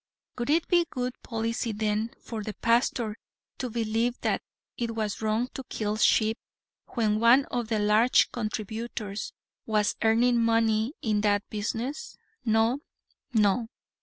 Would it be good policy then for the pastor to believe that it was wrong to kill sheep, when one of the large contributors was earning money in that business? No, no.